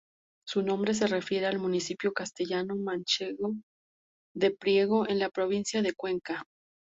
Su nombre se refiere al municipio castellano-manchego de Priego, en la provincia de Cuenca.